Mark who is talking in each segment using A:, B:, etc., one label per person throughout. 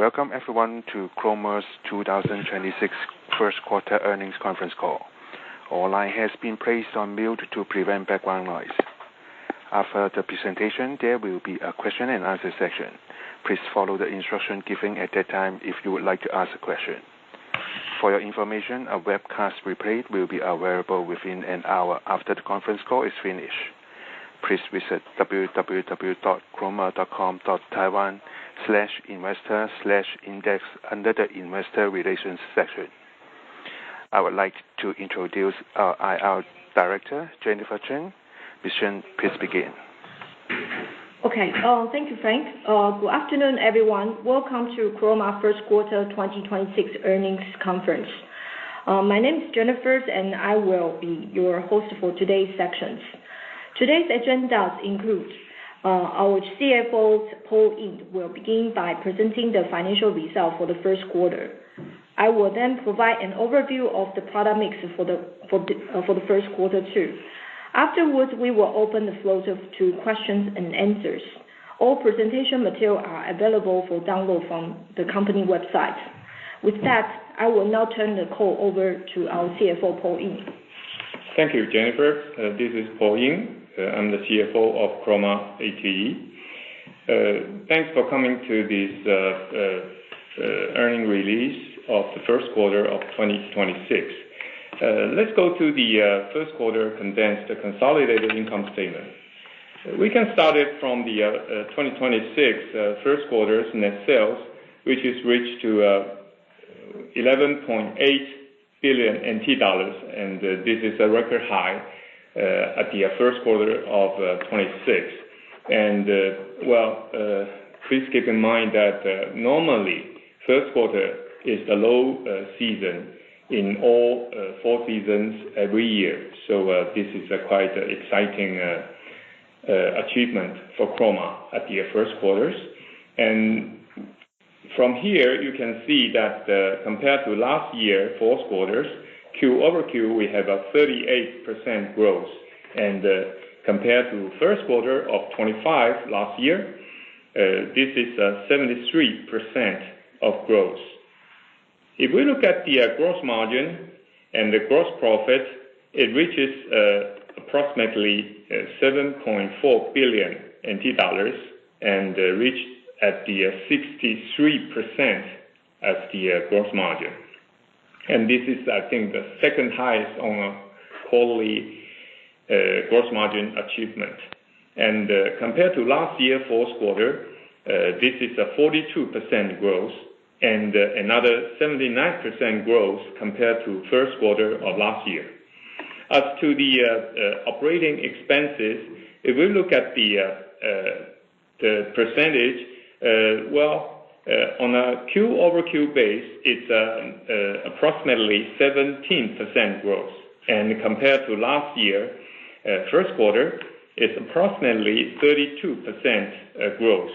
A: Welcome everyone to Chroma's 2026 first quarter earnings conference call. All line has been placed on mute to prevent background noise. After the presentation, there will be a question and answer section. Please follow the instruction given at that time if you would like to ask a question. For your information, a webcast replay will be available within an hour after the conference call is finished. Please visit www.chroma.com.tw/investor/index under the Investor Relations section. I would like to introduce our IR Director, Jennifer Chien. Ms. Chien, please begin.
B: Okay. Thank you, Frank. Good afternoon, everyone. Welcome to Chroma First Quarter 2026 earnings conference. My name is Jennifer, and I will be your host for today's sessions. Today's agendas includes, our CFO, Paul Ying, will begin by presenting the financial results for the first quarter. I will then provide an overview of the product mix for the first quarter too. Afterwards, we will open the floor to questions and answers. All presentation material are available for download from the company website. With that, I will now turn the call over to our CFO, Paul Ying.
C: Thank you, Jennifer. This is Paul Ying. I'm the CFO of Chroma ATE. Thanks for coming to this earnings release of the first quarter of 2026. Let's go to the first quarter condensed consolidated income statement. We can start it from the 2026 first quarter net sales, which has reached to 11.8 billion NT dollars. This is a record high at the first quarter of 2026. Well, please keep in mind that normally first quarter is a low season in all four seasons every year. This is a quite exciting achievement for Chroma at the first quarters. From here, you can see that compared to last year, fourth quarters, Q over Q, we have a 38% growth. Compared to first quarter of 2025 last year, this is 73% of growth. If we look at the gross margin and the gross profit, it reaches approximately 7.4 billion NT dollars and reach at the 63% as the gross margin. This is, I think, the second highest on a quarterly gross margin achievement. Compared to last year, fourth quarter, this is a 42% growth and another 79% growth compared to first quarter of last year. As to the operating expenses, if we look at the percentage, well, on a Q-over-Q base, it's approximately 17% growth. Compared to last year, first quarter, it's approximately 32% growth.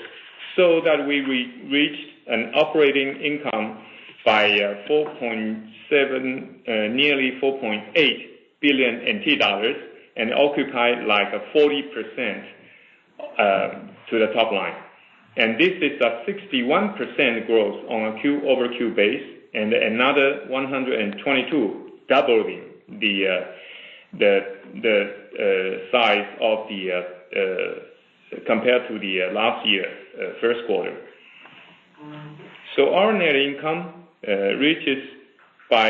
C: That we reached an operating income by 4.7 billion, nearly 4.8 billion NT dollars, and occupied like a 40% to the top line. This is a 61% growth on a quarter-over-quarter base and another 122 doubling the size compared to the last year, first quarter. Our net income reaches by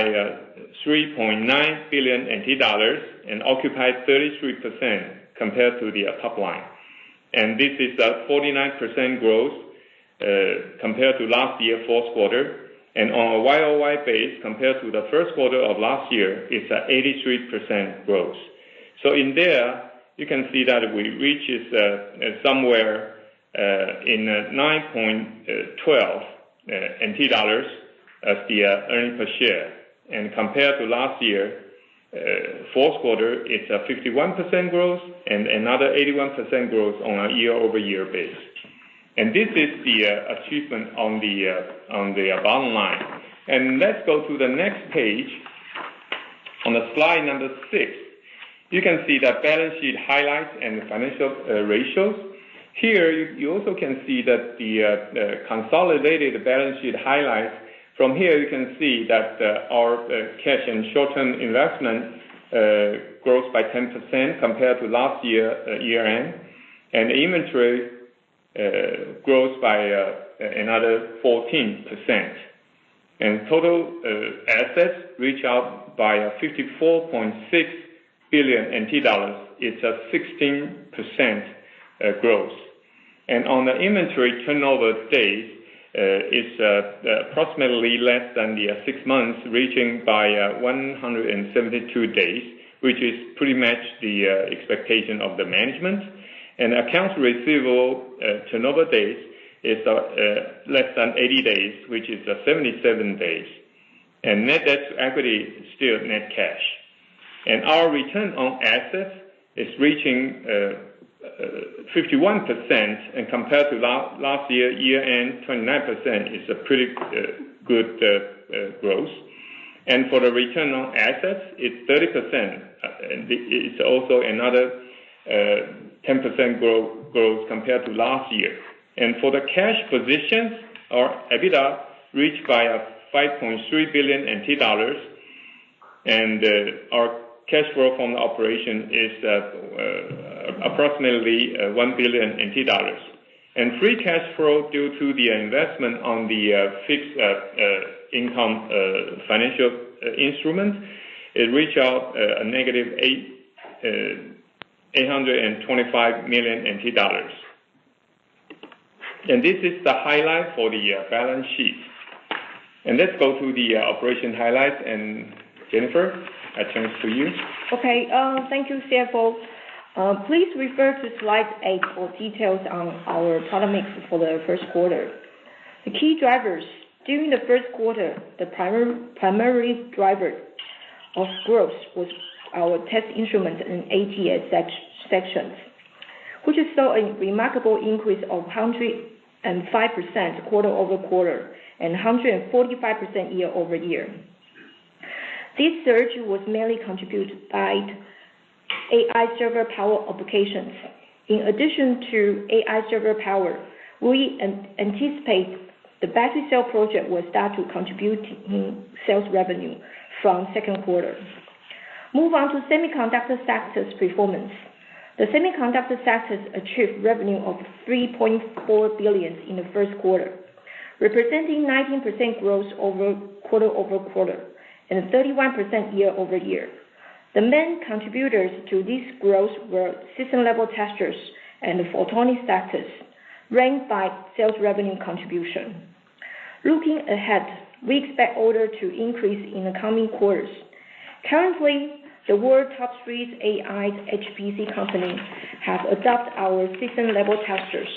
C: 3.9 billion NT dollars and occupies 33% compared to the top line. This is a 49% growth compared to last year, fourth quarter. On a year-over-year base, compared to the first quarter of last year, it's a 83% growth. In there, you can see that we reached, somewhere, in, 9.12 NT dollars as the earnings per share. Compared to last year, fourth quarter, it's a 51% growth and another 81% growth on a year-over-year base. This is the achievement on the bottom line. Let's go to the next page. On the slide number six, you can see the balance sheet highlights and the financial ratios. Here you also can see that the consolidated balance sheet highlights. From here, you can see that, our cash and short-term investment, grows by 10% compared to last year-end. Inventory grows by another 14%. Total assets reach out by a 54.6 billion NT dollars. It's a 16% growth. On the inventory turnover days, is approximately less than the six months, reaching by 172 days, which is pretty much the expectation of the management. Accounts receivable turnover days is less than 80 days, which is 77 days. Net debt to equity is still net cash. Our return on assets is reaching 51% and compared to last year-end, 29% is a pretty good growth. For the return on assets, it's 30%. It's also another 10% growth compared to last year. For the cash positions, our EBITDA reached by 5.3 billion NT dollars, our cash flow from the operation is at approximately 1 billion NT dollars. Free cash flow due to the investment on the fixed income financial instruments, it reach out a negative 825 million NT dollars. This is the highlight for the balance sheet. Let's go to the operation highlights. Jennifer, I turn it to you.
B: Okay. Thank you, Paul Ying. Please refer to slide eight for details on our product mix for the first quarter. The key drivers. During the first quarter, the primary driver of growth was our test instrument in ATS sections, which has saw a remarkable increase of 105% quarter-over-quarter and 145% year-over-year. This surge was mainly contributed by AI server power applications. In addition to AI server power, we anticipate the battery cell project will start to contribute in sales revenue from second quarter. Move on to semiconductor testers performance. The semiconductor testers achieved revenue of 3.4 billion in the first quarter, representing 19% growth quarter-over-quarter and 31% year-over-year. The main contributors to this growth were system level testers and the photonic testers ranked by sales revenue contribution. Looking ahead, we expect order to increase in the coming quarters. Currently, the world top three AI HPC companies have adopt our system level testers.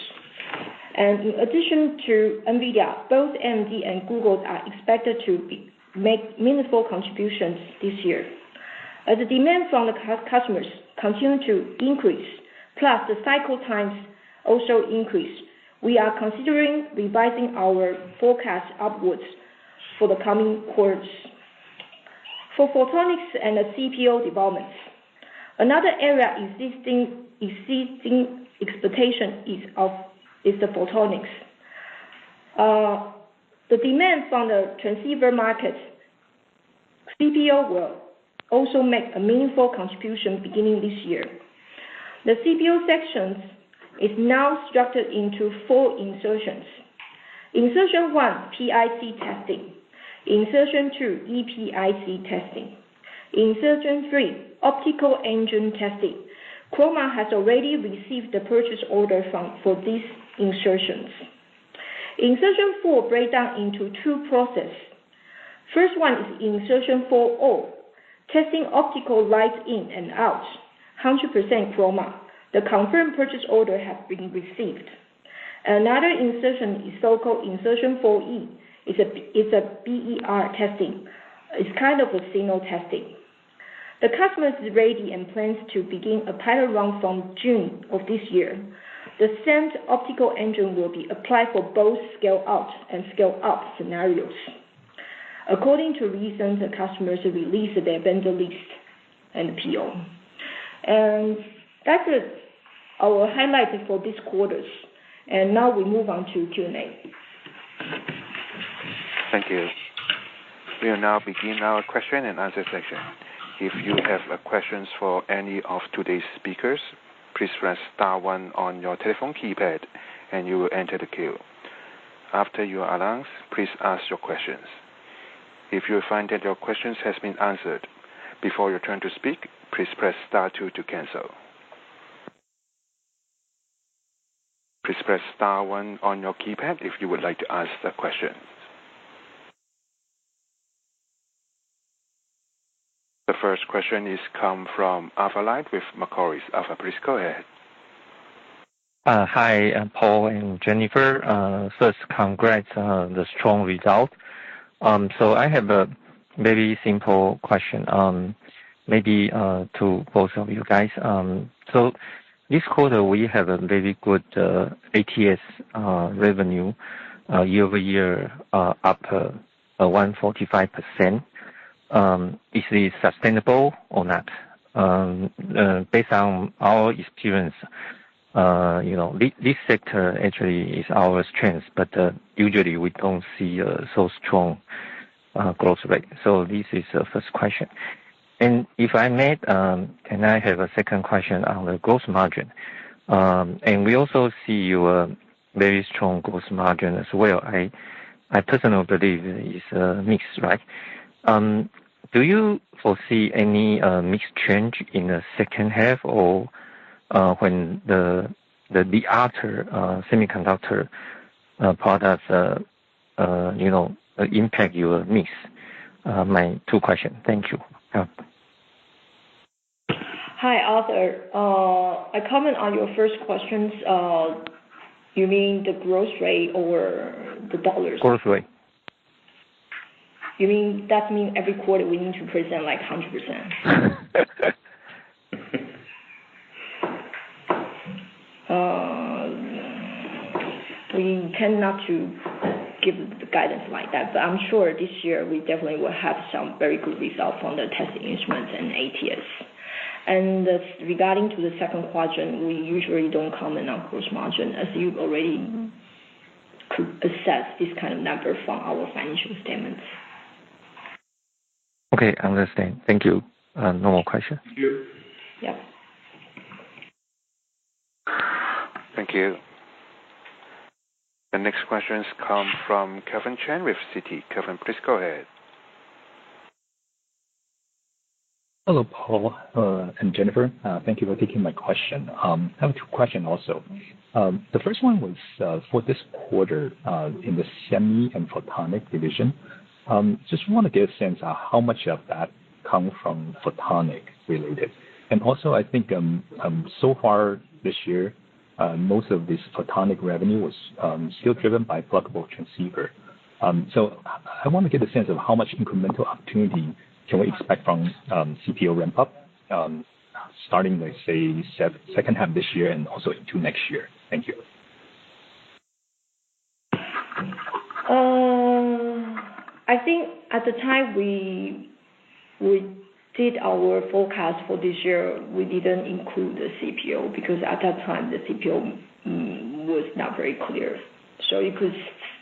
B: In addition to NVIDIA, both AMD and Google are expected to make meaningful contributions this year. As the demand from the customers continue to increase, plus the cycle times also increase, we are considering revising our forecast upwards for the coming quarters. For photonics and the CPO developments, another area exceeding expectation is the photonics. The demands on the transceiver market, CPO will also make a meaningful contribution beginning this year. The CPO sections is now structured into four insertions. Insertion one, PIC testing. Insertion two, EIC testing. Insertion three, optical engine testing. Chroma has already received the purchase order for these insertions. Insertion four break down into two processes. First one is Insertion 4O, testing optical light in and out, 100% Chroma. The confirmed purchase order has been received. Another insertion is so-called Insertion 4E. It's a BER testing. It's kind of a signal testing. The customer is ready and plans to begin a pilot run from June of this year. The same optical engine will be applied for both scale out and scale up scenarios. According to recent customers who released their vendor list and PO. That is our highlights for this quarters. Now we move on to Q&A.
A: Thank you. We'll now begin our question and answer section. If you have questions for any of today's speakers, please press star one on your telephone keypad, and you will enter the queue. After you are announced, please ask your questions. If you find that your question has been answered before your turn to speak, please press star two to cancel. Please press star one on your keypad if you would like to ask a question. The first question is come from Arthur Lai with Macquarie. Arthur, please go ahead.
D: Hi, Paul and Jennifer. First congrats on the strong result. I have a very simple question, maybe to both of you guys. This quarter, we have a very good ATS revenue year-over-year up 145%. Is this sustainable or not? Based on our experience, you know, this sector actually is our strength, but usually we don't see so strong growth rate. This is the first question. If I may, can I have a second question on the gross margin? We also see your very strong gross margin as well. I personally believe it's a mix, right? Do you foresee any mix change in the second half or when the other semiconductor products, you know, impact your mix? My two questions. Thank you. Yeah.
B: Hi, Arthur. A comment on your first questions. You mean the growth rate or the dollars?
D: Growth rate.
B: You mean that mean every quarter we need to present like 100%? We cannot to give the guidance like that, but I'm sure this year we definitely will have some very good results on the testing instruments and ATS. As regarding to the second quarter, we usually don't comment on gross margin, as you've already could assess this kind of number from our financial statements.
D: Okay. Understand. Thank you. No more question.
B: Yep.
A: Thank you. The next questions come from Kevin Chen with Citi. Kevin, please go ahead.
E: Hello, Paul, and Jennifer. Thank you for taking my question. I have two question also. The first one was for this quarter, in the semi and photonic division. Just wanna get a sense how much of that come from photonic related. I think so far this year, most of this photonic revenue was still driven by pluggable transceiver. I wanna get a sense of how much incremental opportunity can we expect from CPO ramp-up, starting with, say, second half this year and also into next year. Thank you.
B: At the time we did our forecast for this year, we didn't include the CPO because at that time, the CPO was not very clear. You could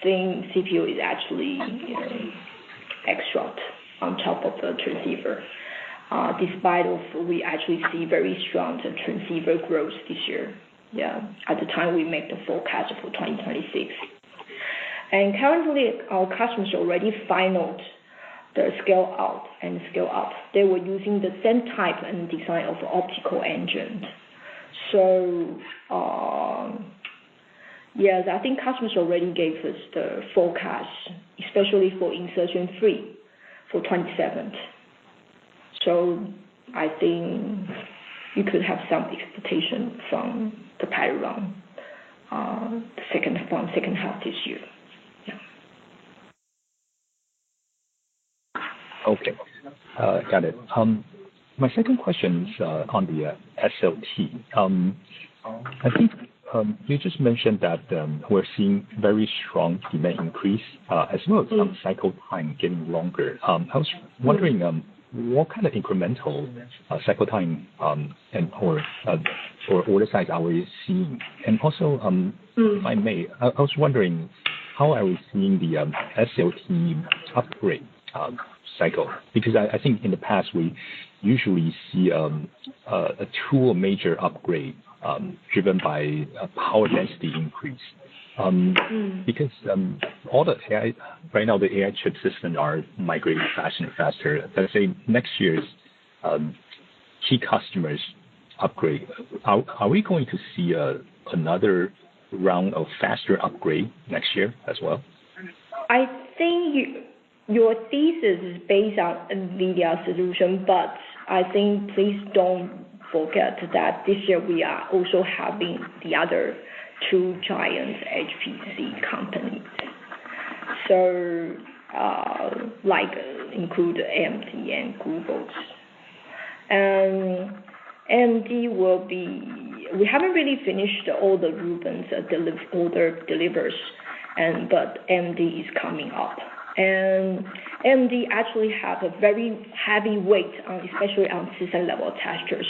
B: think CPO is actually, you know, extra on top of the transceiver. Despite of we actually see very strong transceiver growth this year, yeah, at the time we make the forecast for 2026. Currently, our customers already finaled the scale out and scale up. They were using the same type and design of optical engines. Yes, I think customers already gave us the forecast, especially for insertion three for 2027. I think you could have some expectation from the [carry around], second from second half this year.
E: Okay. Got it. My second question is on the SLT. I think you just mentioned that we're seeing very strong demand increase as well as some cycle time getting longer. I was wondering what kind of incremental cycle time and or order size are we seeing? If I may, I was wondering how are we seeing the SLT upgrade cycle? Because I think in the past we usually see a two major upgrade driven by a power density increase. All the AI right now, the AI chip system are migrating faster and faster. Let's say next year's key customers upgrade. Are we going to see another round of faster upgrade next year as well?
B: I think your thesis is based on NVIDIA solution, but I think please don't forget that this year we are also having the other two giants HPC companies. Like include AMD and Google's. We haven't really finished all the Rubin, all the delivers and, but AMD is coming up. AMD actually have a very heavy weight on, especially on system level testers.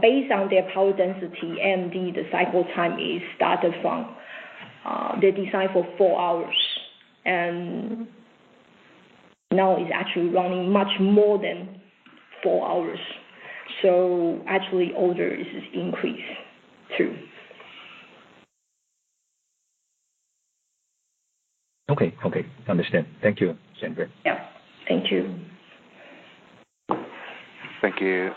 B: Based on their power density, AMD, the cycle time is started from, they design for four hours, and now it's actually running much more than hours. Actually order is increased too.
E: Okay. Okay. Understand. Thank you, Jennifer.
B: Yeah. Thank you.
A: Thank you.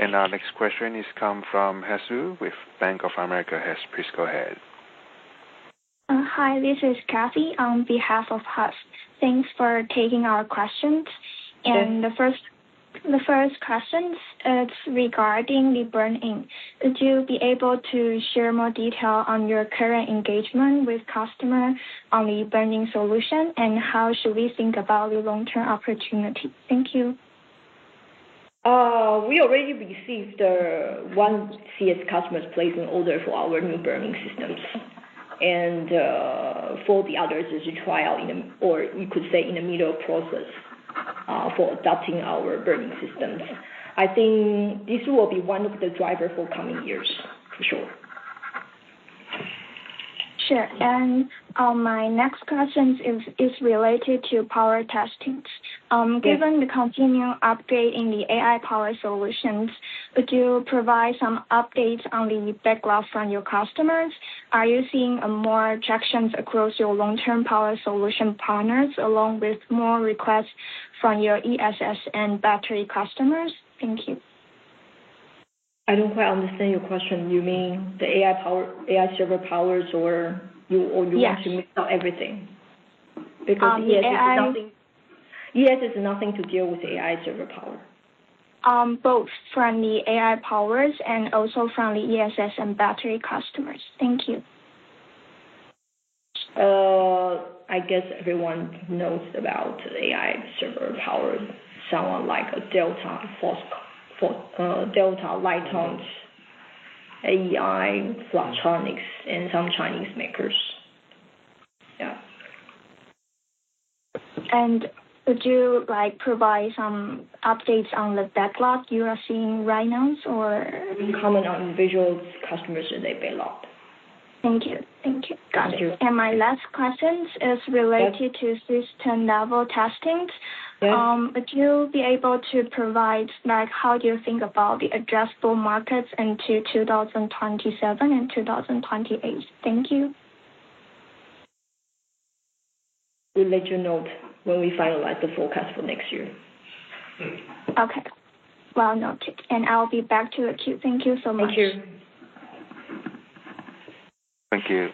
A: Our next question is come from Hsu with Bank of America. Hsu, please go ahead.
F: Hi, this is Cathy on behalf of Hsu. Thanks for taking our questions.
B: Yes.
F: The first question is regarding the burn-in. Would you be able to share more detail on your current engagement with customer on the burn-in solution, and how should we think about the long-term opportunity? Thank you.
B: We already received one CSP customer's placing order for our new burn-in systems. For the others, as you trial in a or you could say in the middle process, for adopting our burn-in systems. I think this will be one of the driver for coming years, for sure.
F: Sure. My next question is related to power testings.
B: Yes.
F: Given the continued update in the AI power solutions, would you provide some updates on the backlog from your customers? Are you seeing more tractions across your long-term power solution partners, along with more requests from your ESS and battery customers? Thank you.
B: I don't quite understand your question. You mean the AI power, AI server powers or you?
F: Yes
B: Want to mix up everything? Because ESS is nothing.
F: Um, AI-
B: ESS is nothing to deal with AI server power.
F: Both from the AI powers and also from the ESS and battery customers. Thank you.
B: I guess everyone knows about AI server power, someone like Delta, Lite-On, AI photonics, and some Chinese makers. Yeah.
F: Would you, like, provide some updates on the backlog you are seeing right now or.
B: We comment on individual customers and their backlog.
F: Thank you. Thank you. Got it.
B: Thank you.
F: My last question is related to system-level test.
B: Yeah.
F: Would you be able to provide, like, how do you think about the addressable markets into 2027 and 2028? Thank you.
B: We'll let you know when we finalize the forecast for next year.
F: Okay. Well noted. I'll be back to the queue. Thank you so much.
B: Thank you.
A: Thank you.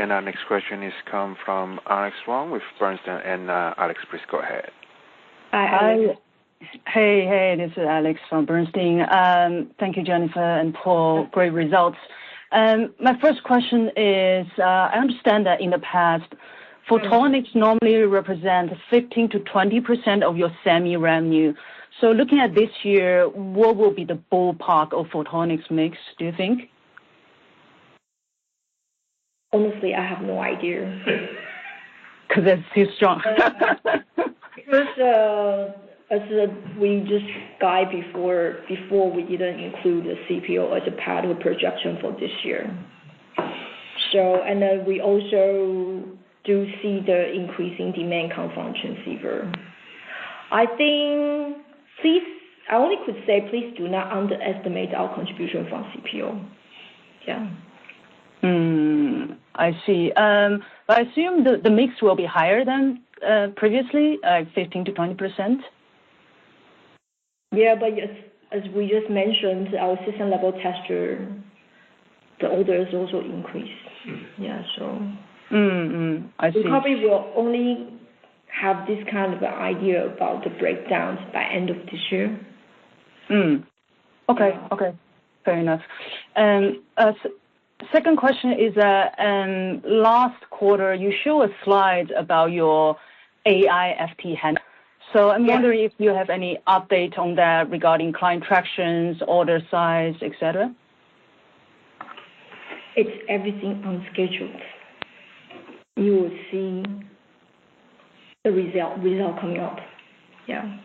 A: Our next question is come from Alex Wang with Bernstein. Alex, please go ahead.
G: Hi. Hey, this is Alex from Bernstein. Thank you, Jennifer and Paul. Great results. My first question is, I understand that in the past
B: Yeah
G: photonics normally represent 15% to 20% of your semi revenue. Looking at this year, what will be the ballpark of photonics mix, do you think?
B: Honestly, I have no idea.
G: That's too strong.
B: First, as we just guide before, we didn't include the CPO as a part of projection for this year. We also do see the increasing demand come from transceiver. I think please I only could say, please do not underestimate our contribution from CPO. Yeah.
G: I see. I assume the mix will be higher than previously, like 15% to 20%?
B: Yeah, as we just mentioned, our system level tester, the orders also increased. Yeah.
G: I see.
B: We probably will only have this kind of idea about the breakdowns by end of this year.
G: Okay. Okay. Fair enough. Second question is that, last quarter, you show a slide about your AI FPGA handler. I'm wondering if you have any update on that regarding client tractions, order size, et cetera.
B: It's everything on schedule. You will see the result coming up. Yeah.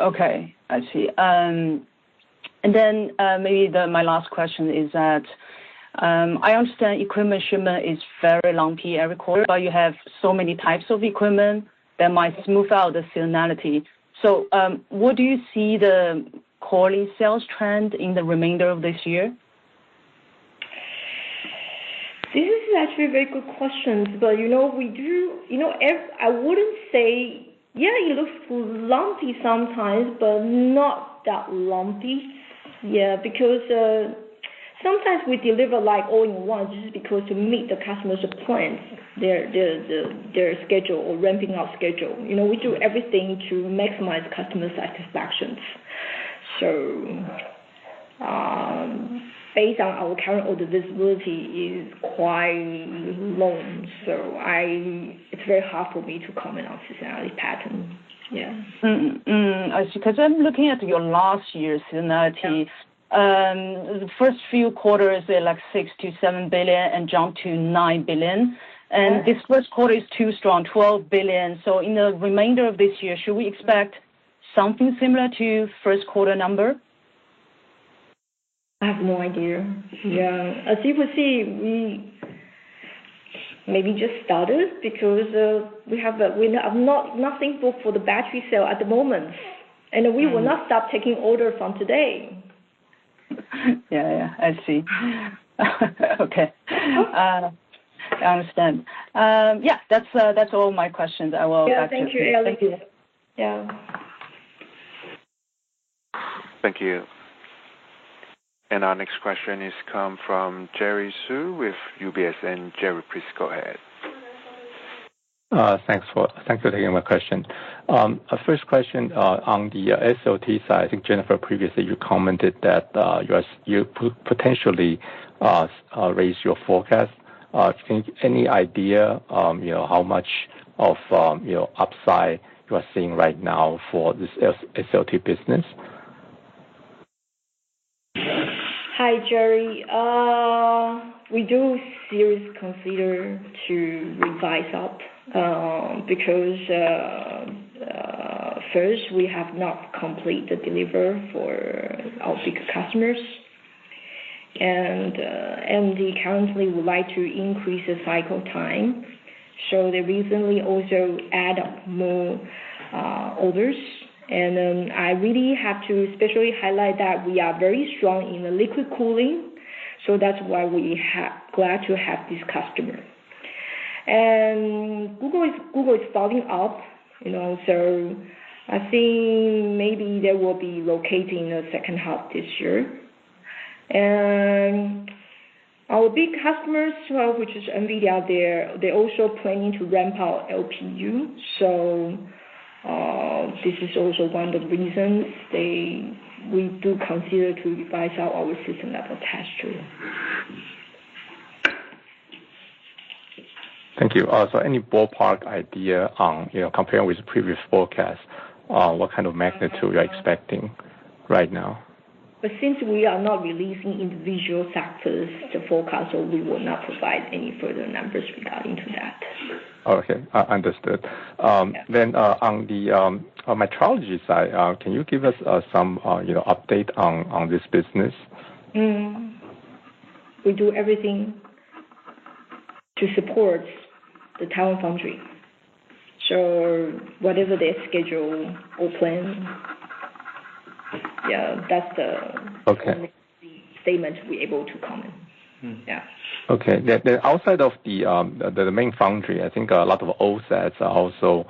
G: Okay. I see. Maybe the, my last question is that, I understand equipment shipment is very lumpy every quarter, but you have so many types of equipment that might smooth out the seasonality. What do you see the quarterly sales trend in the remainder of this year?
B: This is actually a very good question, you know, we do I wouldn't say it looks lumpy sometimes, but not that lumpy. Because sometimes we deliver like all in one just because to meet the customer's requirements, their schedule or ramping up schedule. You know, we do everything to maximize customer satisfactions. Based on our current order visibility is quite long. It's very hard for me to comment on seasonality pattern.
G: I see. 'Cause I'm looking at your last year's seasonality.
B: Yeah.
G: The first few quarters were like 6 billion- 7 billion and jumped to 9 billion.
B: Yeah.
G: This first quarter is too strong, 12 billion. In the remainder of this year, should we expect something similar to first quarter number?
B: I have no idea. Yeah. As you could see, we maybe just started because we have a window of not-nothing booked for the battery cell at the moment. We will not stop taking orders from today.
G: Yeah. Yeah. I see. Okay. I understand. Yeah, that's all my questions. I will back to the queue.
B: Yeah.
A: Thank you. Our next question is come from Jerry Su with UBS. Jerry, please go ahead.
H: Thanks for taking my question. First question on the SLT side. I think, Jennifer, previously you commented that you're potentially raised your forecast. Can any idea, you know, how much of your upside you are seeing right now for this SLT business?
B: Hi, Jerry Su. We do seriously consider to revise up because first, we have not completed deliver for our big customers. They currently would like to increase the cycle time. They recently also add more orders. I really have to especially highlight that we are very strong in the liquid cooling, so that's why we glad to have this customer. Google is starting up, you know. I think maybe they will be locating the second half this year. Our big customers as well, which is NVIDIA, they're also planning to ramp out LPU. This is also one of the reasons we do consider to revise our System-Level Test, sure.
H: Thank you. Any ballpark idea on, you know, comparing with the previous forecast, what kind of magnitude you're expecting right now?
B: Since we are not releasing individual factors to forecast, we will not provide any further numbers regarding to that.
H: Okay. Understood. On the metrology side, can you give us some update on this business?
B: We do everything to support the TSMC foundry.
H: Okay.
B: The statement we're able to comment. Yeah.
H: Okay. The outside of the main foundry, I think a lot of OSATs are also,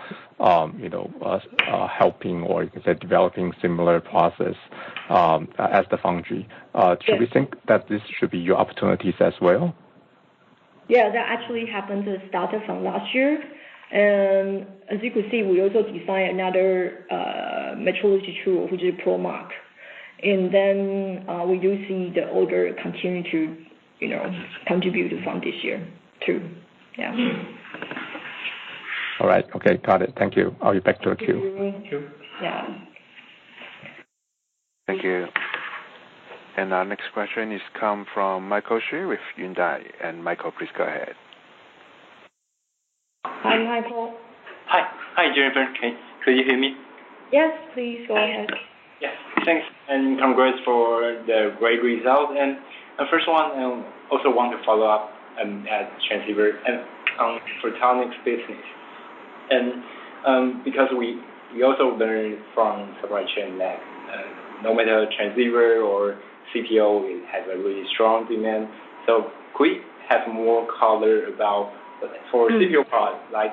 H: you know, are helping, or you can say developing similar process as the foundry.
B: Yes.
H: Do we think that this should be your opportunities as well?
B: Yeah, that actually happened. It started from last year. As you could see, we also design another metrology tool, which is Probe Mark. We do see the order continue to, you know, contribute from this year too. Yeah.
H: All right. Okay. Got it. Thank you. I'll get back to the queue.
B: Thank you. Yeah.
A: Thank you. Our next question is come from Michael Hsu with Yuanta. Michael, please go ahead.
B: Hi, Michael.
I: Hi. Hi, Jennifer. Can you hear me?
B: Yes, please go ahead.
I: Yes. Thanks, congrats for the great result. First one, also want to follow up at transceiver and on photonics business. Because we also learn from supply chain that no matter transceiver or CPO, it has a really strong demand. Could we have more color about, like for CPO product, like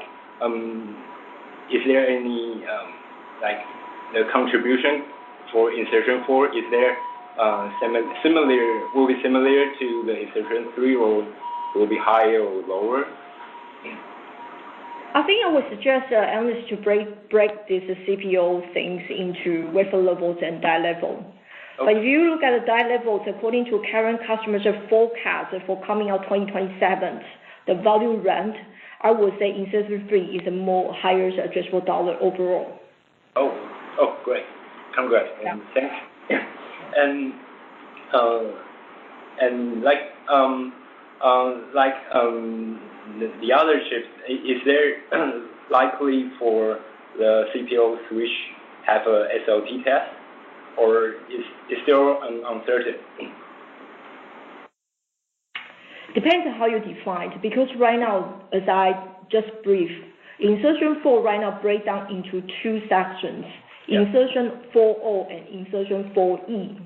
I: the contribution for Insertion four? Is there will be similar to the Insertion three or will be higher or lower?
B: I would suggest analyst to break this CPO things into wafer levels and die level.
I: Okay.
B: If you look at the die levels according to current customers' forecast for coming out 2027, the volume ramp, I would say insertion three is a more higher addressable dollar overall.
I: Oh. Oh, great. Congrats.
B: Yeah.
C: Thanks.
I: Yeah. The other chip, is there likely for the CPO switch have a SLT test or is still uncertain?
B: Depends on how you define it, because right now, as I just briefed, Insertion four right now break down into two sections.
I: Yeah.
B: Insertion 4O and Insertion 4E.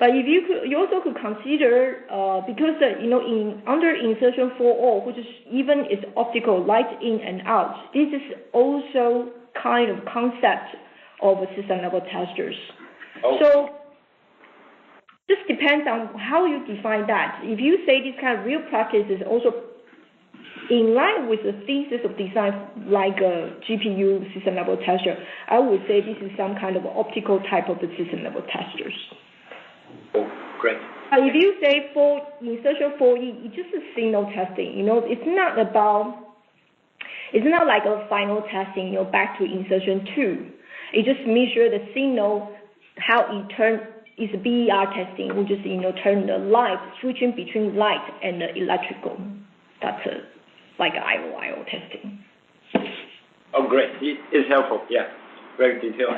B: You also could consider, because, you know, in under Insertion 4O, which is even is optical light in and out, this is also kind of concept of a system level testers.
I: Okay.
B: Just depends on how you define that. If you say this kind of real practice is also in line with the thesis of designs like a GPU system level tester, I would say this is some kind of optical type of the system level testers.
I: Oh, great.
B: If you say four, Insertion 4E, it's just a signal testing, you know. It's not like a final testing, you know, back to Insertion two. It just measure the signal, how it turn It's BER testing, which is, you know, turn the light, switching between light and electrical. That's like eye testing.
I: Oh, great. It's helpful. Yeah. Very detailed.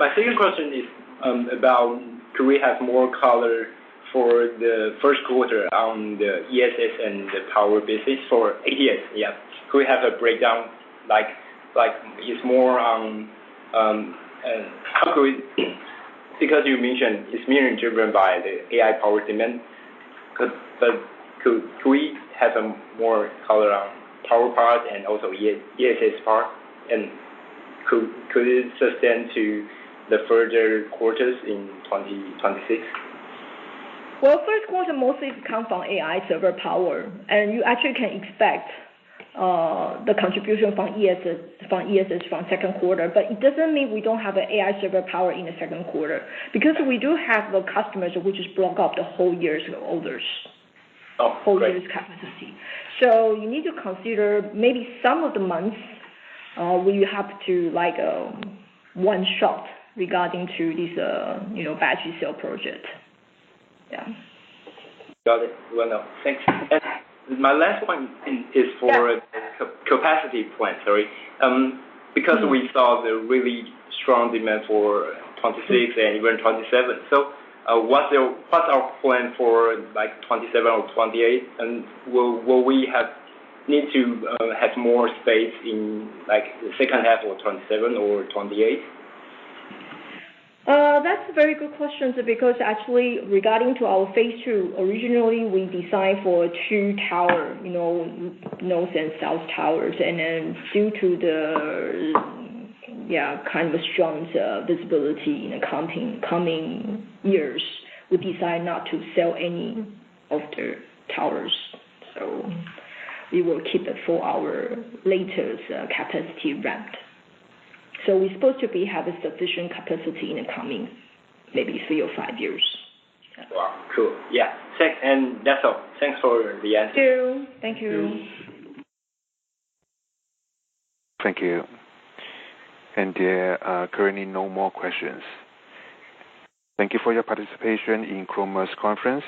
I: My second question is about could we have more color for the first quarter on the ESS and the power business for ATS? Yeah. Could we have a breakdown like it's more on Because you mentioned it's mainly driven by the AI power demand. Could we have a more color on power part and also ESS part, and could it sustain to the further quarters in 2026?
B: First quarter mostly come from AI server power. You actually can expect the contribution from ESS from second quarter. It doesn't mean we don't have the AI server power in the second quarter. We do have the customers which is block out the whole year's orders.
I: Oh, great.
B: Whole year's capacity. You need to consider maybe some of the months, where you have to like, one shot regarding to this, you know, battery cell project.
I: Got it. Well, no, thank you.
B: Yeah.
I: Capacity plan, sorry. We saw the really strong demand for 2026 and even 2027. What's our plan for like 2027 or 2028? Will we have need to have more space in like the second half of 2027 or 2028?
B: That's a very good question because actually regarding to our phase II, originally we designed for two towers, you know, north and south towers. Due to the kind of strong visibility in the coming years, we decide not to sell any of the towers. We will keep it for our later's capacity ramped. We're supposed to be have a sufficient capacity in the coming maybe three or five years.
I: Wow. Cool. Yeah. Thank. That's all. Thanks for the answer.
B: Thank you. Thank you.
A: Thank you. There are currently no more questions. Thank you for your participation in Chroma's conference.